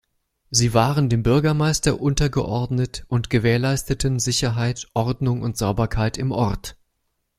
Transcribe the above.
Sie waren dem Bürgermeister untergeordnet und gewährleisteten Sicherheit, Ordnung und Sauberkeit im Ort.